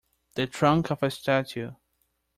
The trunk of a statue.